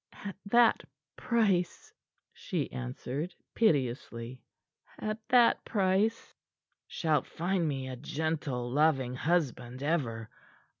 "At that price," she answered piteously, "at that price." "Shalt find me a gentle, loving husband, ever.